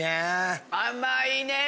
甘いねぇ。